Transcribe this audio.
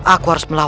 aku harus melakukan